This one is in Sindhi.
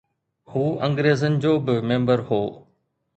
هو انگريزن جو به ميمبر هو